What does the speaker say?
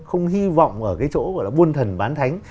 không hy vọng ở cái chỗ của buôn thần bán thánh